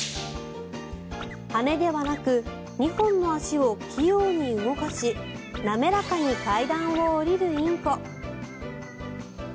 羽ではなく２本の足を器用に動かし滑らかに階段を下りるインコ。